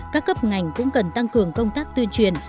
các cấp ngành cũng cần tăng cường công tác tuyên truyền